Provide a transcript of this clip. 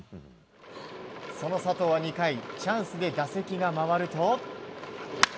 その佐藤は２回チャンスで打席が回ると。